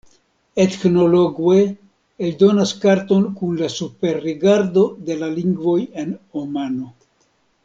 Ethnologue eldonas karton kun la superrigardo de la lingvoj en Omano.